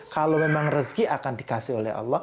kalau memang rezeki akan dikasihan